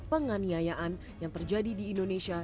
penganiayaan yang terjadi di indonesia